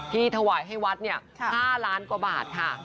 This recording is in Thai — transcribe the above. ที่ถวายให้วัดเนี่ย๕ล้านกว่าบาทค่ะ